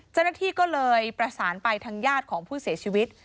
เจ้าหน้าที่ก็เลยประสานไปทางญาติของผู้เสียชีวิต